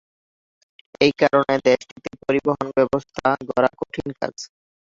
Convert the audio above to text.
এই কারণে দেশটিতে পরিবহন ব্যবস্থা গড়া কঠিন কাজ।